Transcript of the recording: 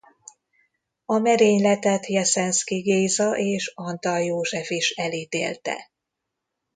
A merényletet Jeszenszky Géza és Antall József is elítélte.